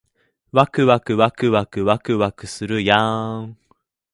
わくわくわくわくわくするやーん